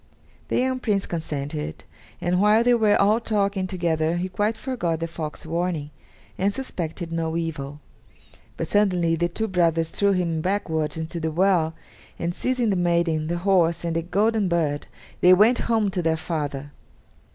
The young Prince consented, and while they were all talking together he quite forgot the fox's warning, and suspected no evil. But suddenly the two brothers threw him backwards into the well, and, seizing the maiden, the horse, and the golden bird, they went home to their father.